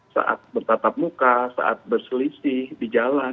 saat bertatap muka saat berselisih di jalan